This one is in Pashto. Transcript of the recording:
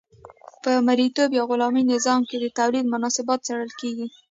په مرئیتوب یا غلامي نظام کې د تولید مناسبات څیړل کیږي.